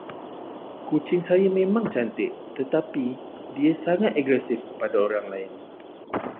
Kucing saya memang cantik tertapi dia sangat agresif kepada orang lain.